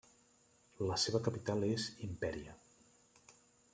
La seva capital és Imperia.